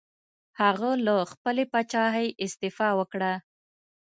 هغه له خپلې پاچاهۍ استعفا وکړه.